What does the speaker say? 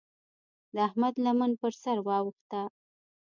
د احمد لمن پر سر واوښته.